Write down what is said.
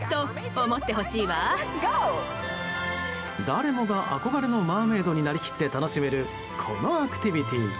誰もが憧れのマーメイドになりきって楽しめるこのアクティビティー。